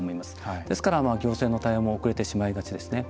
ですから行政の対応も遅れてしまいがちですね。